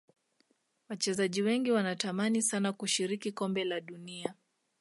Wachezaji wengi wanatamani sana kushiriki kombe la dunia